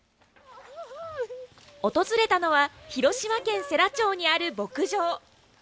訪れたのは広島県世羅町にある牧場。